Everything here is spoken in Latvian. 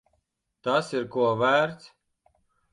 Tas ir ko vērts.